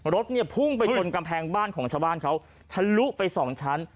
รถเนี่ยพุ่งไปชนกำแพงบ้านของชาวบ้านเขาทะลุไปสองชั้น